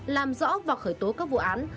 làm rõ và khởi tố các vụ án